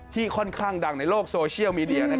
ค่อนข้างดังในโลกโซเชียลมีเดีย